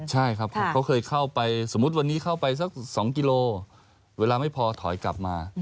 ใช่ครับเขาเคยเข้าไปสมมุติวันนี้เข้าไปสัก๒กิโลเวลาไม่พอถอยกลับมา